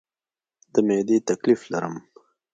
د معدې تکلیف لرم